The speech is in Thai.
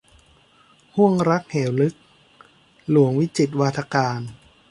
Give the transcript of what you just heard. ห้วงรักเหวลึก - หลวงวิจิตรวาทการ